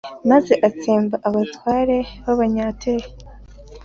maze atsemba abatware b’Abanyatiri,